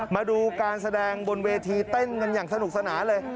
มาดูการแสดงบนเวทีเต้นกันอย่างสนุกสนานเลย